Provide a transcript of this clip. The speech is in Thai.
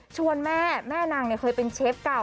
แม่แม่นางเคยเป็นเชฟเก่า